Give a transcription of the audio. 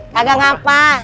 gak ada apa